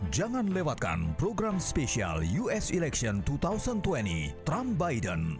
jangan lewatkan program spesial us election dua ribu dua puluh trump biden